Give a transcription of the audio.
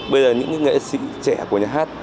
bây giờ những nghệ sĩ trẻ của nhà hát